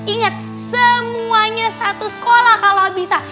ingat semuanya satu sekolah kalau bisa